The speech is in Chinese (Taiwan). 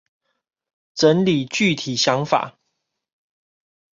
整理具體想法